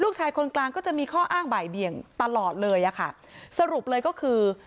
คนกลางก็จะมีข้ออ้างบ่ายเบี่ยงตลอดเลยอะค่ะสรุปเลยก็คือ